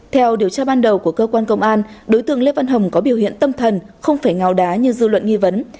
theo điều tra ban đầu của cơ quan công an đối tượng lê văn hồng có biểu hiện tâm thần không phải ngào đá như dư luận nghi vấn